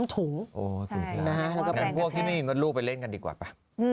โอ้โฮถูกค่ะความแปลงกันแทบอันนั้นพวกที่ไม่มีลูกไปเล่นกันดีกว่าป่ะ